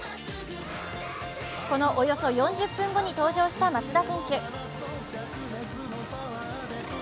このおよそ４０分後に登場した松田選手。